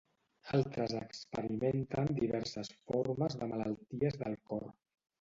Altres experimenten diverses formes de malalties del cor.